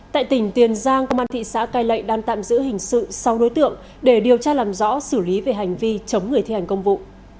tại tỉnh tiền giang công an thị xã cai lệ đang tạm giữ hình sự sáu đối tượng để điều tra làm rõ xử lý về hành vi chống người thi hành công vụ